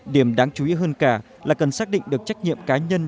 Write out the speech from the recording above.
điểm đáng chú ý hơn cả là cần xác định được trách nhiệm cá nhân